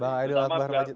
bang aidil latbah rajit